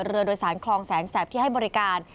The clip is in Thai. เรือโดยสารคลองแสนแสบที่ให้บริการ